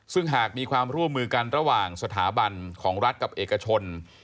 ซึ่งหากมีความร่วมมือกันระหว่างสถาบันของรัฐกับเอกชน